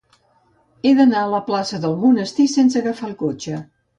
He d'anar a la plaça del Monestir sense agafar el cotxe.